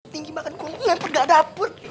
tinggi banget gue leper gak dapet